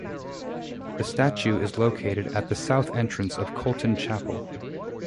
The statue is located at the south entrance of Colton Chapel.